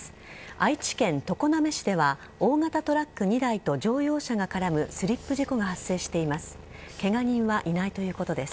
愛知県常滑市では大型トラック２台と乗用車が絡むスリップ事故が発生しています。